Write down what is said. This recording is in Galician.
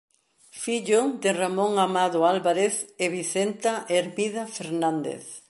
Fillo de Ramón Amado Álvarez e Vicenta Hermida Fernández.